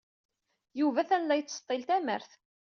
Yuba atan la yettseḍḍil tamart.